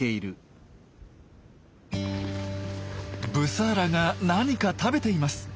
ブサーラが何か食べています。